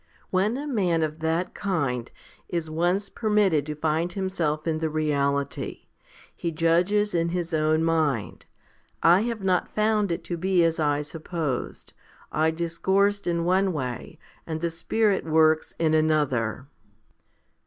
When a man of that kind is once permitted to find himself in the reality, he judges in his own mind : "I have not found it to be as I supposed. I discoursed in one way, and the Spirit works in another."